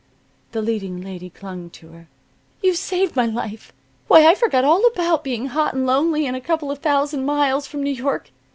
The leading lady clung to her. "You've saved my life. Why, I forgot all about being hot and lonely and a couple of thousand miles from New York.